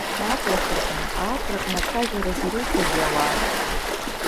Ааҵрақәа рҟны, ааҵраҟны ацәажәаразы ируҭозеи ауаа!